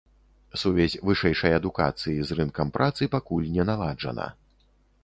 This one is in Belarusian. Сувязь вышэйшай адукацыі з рынкам працы пакуль не наладжана.